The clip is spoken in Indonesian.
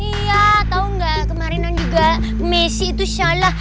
iya tau gak kemarinan juga messi itu salah